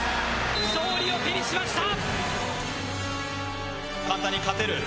勝利を手にしました。